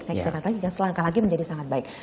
nah kita nanti akan selangkah lagi menjadi sangat baik